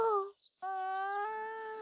うん。